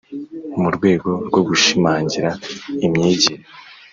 Mu rwego rwo gushimangira imyigire